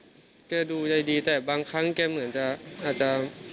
แกเราาดอยากดูแกดีแต่บางครั้งแกเหมือนจะ